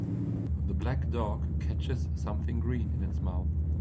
The black dog catches something green in its mouth.